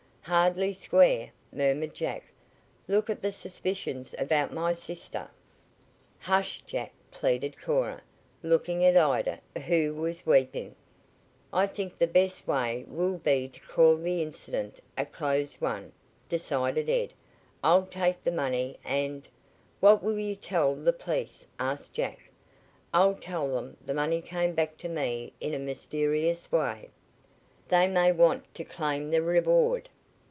"Hardly square," murmured Jack. "Look at the suspicions about my sister " "Hush, Jack," pleaded Cora, looking at Ida, who was weeping. "I think the best way will be to call the incident a closed one," decided Ed. "I'll take the money, and " "What will you tell the police?" asked Jack. "I'll tell them the money came back to me in a mysterious way." "They may want to claim the reward."